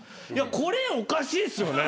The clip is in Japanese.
これおかしいですよね。